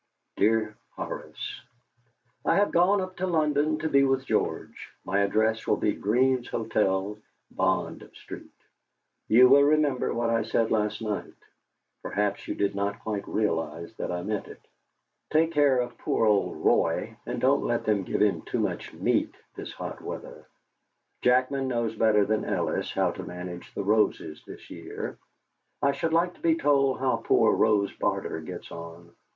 "DEAR HORACE, "I have gone up to London to be with George. My address will be Green's Hotel, Bond Street. You will remember what I said last night. Perhaps you did not quite realise that I meant it. Take care of poor old Roy, and don't let them give him too much meat this hot weather. Jackman knows better than Ellis how to manage the roses this year. I should like to be told how poor Rose Barter gets on.